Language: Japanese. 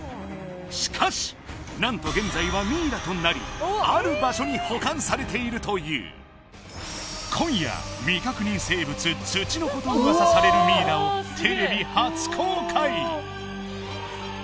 しかし何と現在はミイラとなりある場所に保管されているという今夜未確認生物ツチノコと噂されるミイラをテレビ初公開！